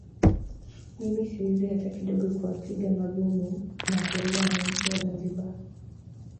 Mimi siwezi hata kidogo kuwapiga mabomu na kuwaua wananchi wa Zanzibar